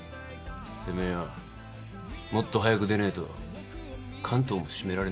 てめえよもっと早く出ねえと関東もシメられねえぜ。